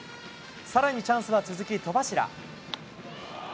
さらにチャンスは続き、戸柱。